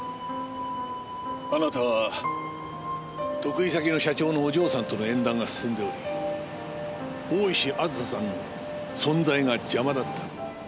あなたは得意先の社長のお嬢さんとの縁談が進んでおり大石あずささんの存在が邪魔だった。